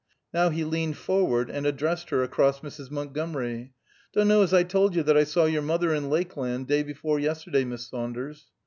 Now he leaned forward and addressed her across Mrs. Montgomery: "Do' know as I told you that I saw your mother in Lakeland day before yesterday, Miss Saunders."